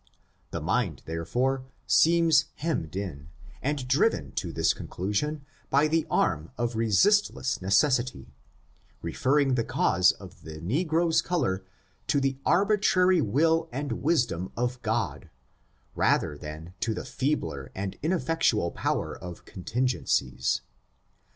The mind, therefore, seems hemmed in, and driven to this conclusion by the arm of resistless necessity, referring the cause of the negro's color to the arbitra ry will and wisdom of God, rather than to the feebler and ineffectual power of contingencies.